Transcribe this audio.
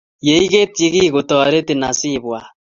Ye iketchi kiy kotoretin asi ibwat.